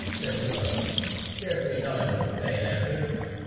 " said Thibault, scarcely knowing what to say in answer.